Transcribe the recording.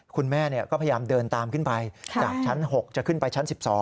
คุณแม่ก็พยายามเดินตามขึ้นไปจากชั้น๖จะขึ้นไปชั้น๑๒